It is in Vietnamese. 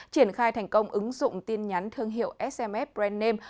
triển khai thành công ứng dụng tin nhắn thương hiệu smf brand name